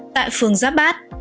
tại phường giáp bát